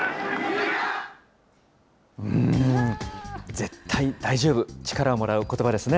絶対大丈夫、力をもらうことばですね。